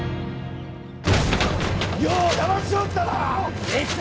余をだましおったな！